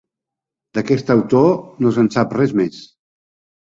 D'aquest autor no se'n sap res més.